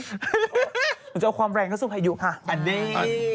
ฮือมันจะเอาความแรงเข้าสุภายุค่ะ